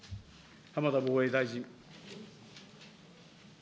浜田防衛大臣。